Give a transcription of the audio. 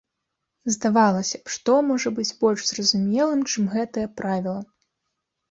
Здавалася б, што можа быць больш зразумелым, чым гэтае правіла.